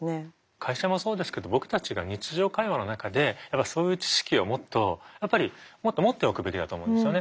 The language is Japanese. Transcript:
会社もそうですけど僕たちが日常会話の中でそういう知識をもっとやっぱりもっと持っておくべきだと思うんですよね。